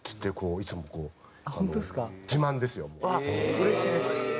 うれしいです。